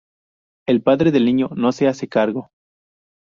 El padre del niño no se hace cargo.